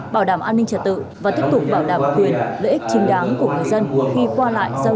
bảo đảm an ninh trật tự và tiếp tục bảo đảm quyền lợi ích chính đáng của người dân khi qua lại giao